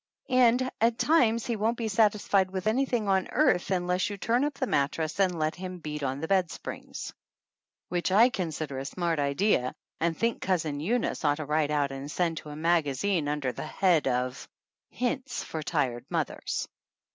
And at times he won't be sat isfied with anything on earth unless you turn up the mattress and let him beat on the bed springs, which I consider a smart idea and think Cousin Eunice ought to write out and send to a 179 THE ANNALS OF ANN mazagine under the head of "Hints for Tired Mothers."